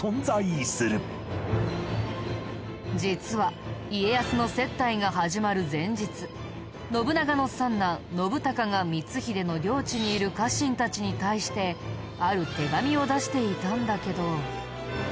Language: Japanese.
実は家康の接待が始まる前日信長の三男信孝が光秀の領地にいる家臣たちに対してある手紙を出していたんだけど。